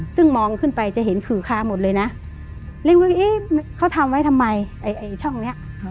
ซึ่งมองขึ้นไปจะเห็นขือคาหมดเลยนะเรียกว่าเอ๊ะเขาทำไว้ทำไมไอ้ช่องเนี้ย